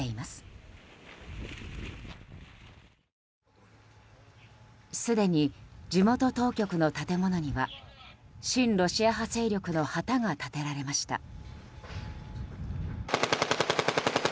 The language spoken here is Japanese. すでに地元当局の建物には親ロシア派勢力の旗が立てられました。